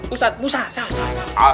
ustadz musa salah salah